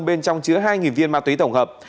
bên trong chứa hai viên ma túy tổng hợp